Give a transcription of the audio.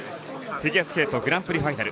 フィギュアスケートグランプリファイナル。